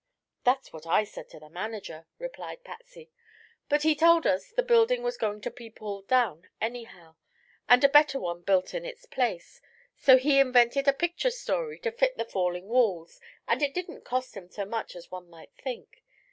"That's what I said to the manager," replied Patsy; "but he told us the building was going to be pulled down, anyhow, and a better one built in its place; so he invented a picture story to fit the falling walls and it didn't cost him so much as one might think.